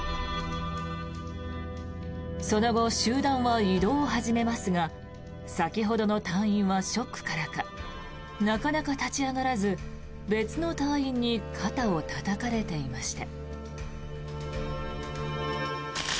その後、集団は移動を始めますが先ほどの隊員は、ショックからかなかなか立ち上がらず別の隊員に肩をたたかれていました。